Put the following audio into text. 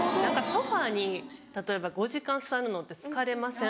ソファに例えば５時間座るのって疲れません？